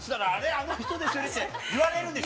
あの人ですよねって言われるでしょ？